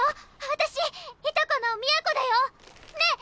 私いとこの都だよねえ